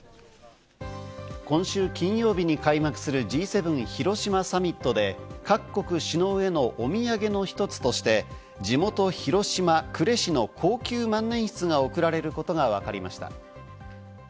今週金曜日に開幕するＧ７広島サミットで各国首脳へのお土産の一つとして、地元、広島・呉市の高級万年筆が贈られることがわかりました。